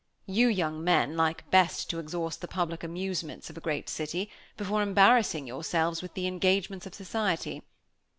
You young men like best to exhaust the public amusements of a great city, before embarrassing yourselves with the engagements of society.